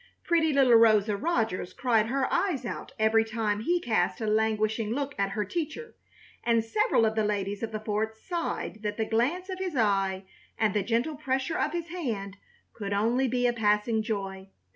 Pretty little Rosa Rogers cried her eyes out every time he cast a languishing look at her teacher, and several of the ladies of the fort sighed that the glance of his eye and the gentle pressure of his hand could only be a passing joy.